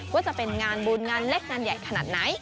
ว่าจะเป็นงานบุญงานเล็กงานใหญ่ขนาดไหน